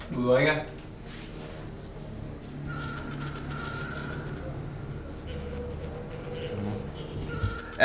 được rồi anh em